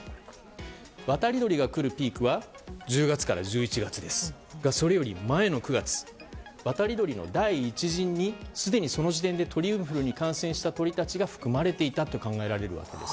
渡り鳥が来るピークは１０月から１１月ですがそれよりも前の９月に渡り鳥の第１陣にすでにその時点で鳥インフルに感染した鳥たちが含まれていたと考えられるんです。